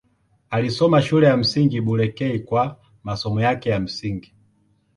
Alisoma Shule ya Msingi Bulekei kwa masomo yake ya msingi.